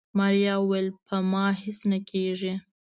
ماريا وويل په ما هيڅ نه کيږي.